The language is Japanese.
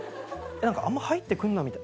何かあんま入ってくんなみた。